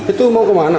itu mau kemana pak